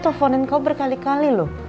aku telfonin kau berkali kali loh